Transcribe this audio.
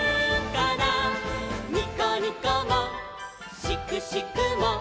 「にこにこもしくしくも」